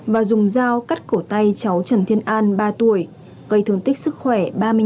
và dùng dao cắt cổ tay cháu trần thiên an ba tuổi gây thương tích sức khỏe ba mươi năm